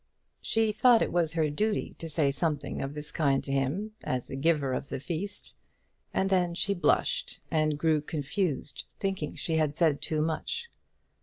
She thought it was her duty to say something of this kind to him, as the giver of the feast; and then she blushed and grew confused, thinking she had said too much.